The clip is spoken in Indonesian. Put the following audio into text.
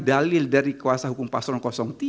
dalil dari kuasa hukum paslon tiga